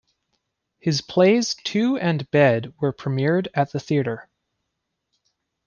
His plays "Two" and "Bed" were premiered at the theatre.